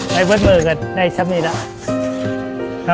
ไปบ๊วยบ่อยกันได้สักนิดนึงแล้ว